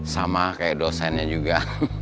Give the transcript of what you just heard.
sama kayak dosennya juga